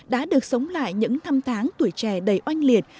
đã được sống lại những thăm tháng tuổi trẻ đầy oanh liệt